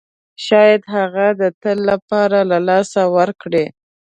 شاید هغه د تل لپاره له لاسه ورکړئ.